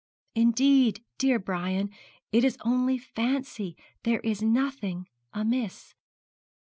'Indeed, dear Brian, it is only fancy. There is nothing amiss.'